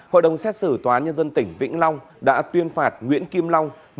hội đồng xét xử tòa nhân dân tỉnh vĩnh long đã tuyên phạt nguyễn kim long một mươi sáu năm tù về tội giết người